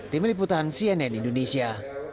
tim liputan cnn indonesia